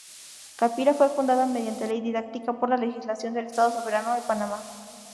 Capira fue fundada mediante ley didáctica por la Legislación del Estado Soberano de Panamá.